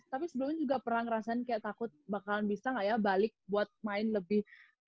tapi sebelumnya juga pernah ngerasain kayak takut bakalan bisa gak ya balik buat main lebih